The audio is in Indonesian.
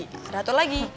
ada satu lagi